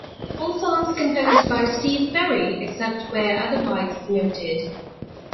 All songs composed by Steve Perry, except where otherwise noted.